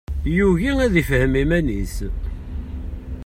Yugi ad ifhem iman-is.